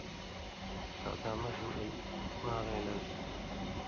بادامہ ہِن دماغَیں علاج کری